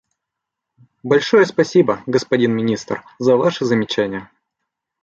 Большое спасибо, господин Министр, за Ваши замечания.